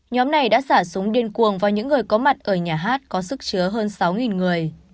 nhóm này đã xả súng điên cuồng vào những người có mặt ở nhà hát có sức chứa hơn sáu người